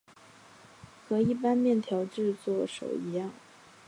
和一般面条制作手一样。